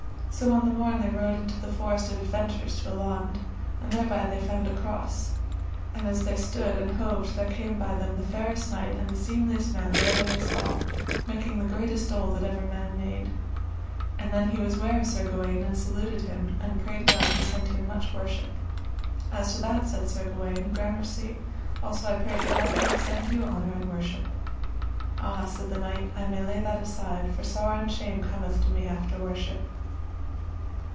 So, on the morn they rode into the forest of adventures to a laund, and thereby they found a cross, and as they stood and hoved there came by them the fairest knight and the seemliest man that ever they saw, making the greatest dole that ever man made. And then he was ware of Sir Gawaine, and saluted him, and prayed God to send him much worship. As to that, said Sir Gawaine, gramercy; also I pray to God that he send you honour and worship. Ah, said the knight, I may lay that aside, for sorrow and shame cometh to me after worship.